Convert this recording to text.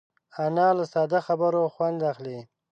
انا له ساده خبرو خوند اخلي